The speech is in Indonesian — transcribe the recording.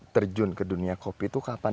terjun ke dunia kopi itu kapan